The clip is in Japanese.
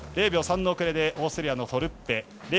０秒３の遅れでオーストリアのトルッペ。